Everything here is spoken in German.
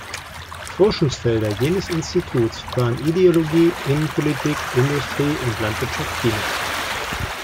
Forschungsfelder jenes Instituts waren Ideologie, Innenpolitik, Industrie und Landwirtschaft Chinas.